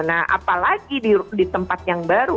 nah apalagi di tempat yang baru